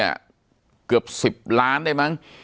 ปากกับภาคภูมิ